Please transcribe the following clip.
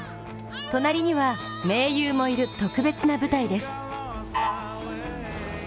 隣には盟友もいる、特別な舞台です。